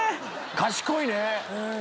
賢いね。